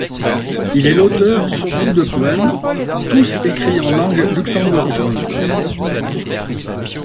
Il est l'auteur surtout de poèmes, tous écrits en langue luxembourgeoise.